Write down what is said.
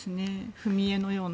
踏み絵のような。